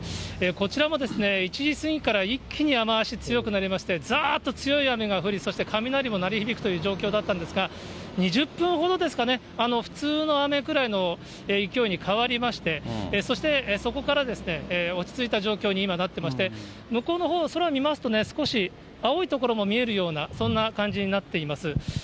こちらも１時過ぎから一気に雨足強くなりまして、ざーっと強い雨が降り、そして雷も鳴り響くという状況だったんですが、２０分ほどですかね、普通の雨くらいの勢いに変わりまして、そしてそこから落ち着いた状況に今、なってまして、向こうのほう、空見ますとね、少し青い所も見えるような、そんな感じになっています。